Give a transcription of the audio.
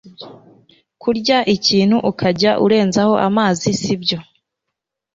Kurya ikintu ukajya urenzaho amazi sibyo